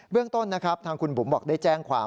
เรื่องต้นนะครับทางคุณบุ๋มบอกได้แจ้งความ